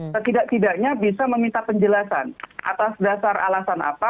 setidak tidaknya bisa meminta penjelasan atas dasar alasan apa